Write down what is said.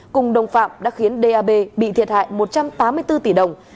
cùng đồng phạm đã khiến d a b bị thiệt hại một trăm tám mươi bốn tỷ đồng